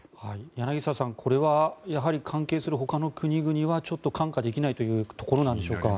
柳澤さん、これはやはり関係するほかの国々はちょっと看過できないというところなんでしょうか。